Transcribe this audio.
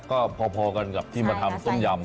ก็พอกันกับที่มาทำต้มยำ